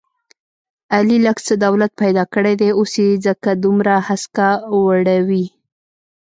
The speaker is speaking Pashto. علي لږ څه دولت پیدا کړی دی، اوس یې ځکه دومره هسکه وړوي...